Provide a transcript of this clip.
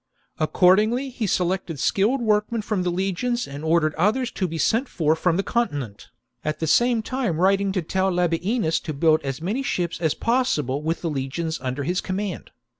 Accordingly he selected skilled workmen from the legions and ordered others to be sent for from the continent, at the same time writing to tell Labienus to build as many ships as possible with Ihe legions under his command.